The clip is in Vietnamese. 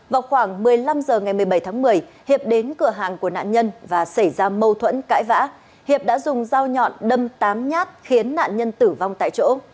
vào khoảng một mươi năm h ngày một mươi bảy tháng một mươi hiệp đến cửa hàng của nạn nhân và xảy ra mâu thuẫn cãi vã hiệp đã dùng dao nhọn đâm tám nhát khiến nạn nhân tử vong tại chỗ